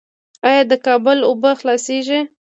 آیا د کابل اوبه خلاصیږي؟